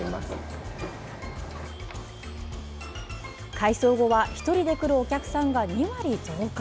改装後は１人で来るお客さんが２割増加。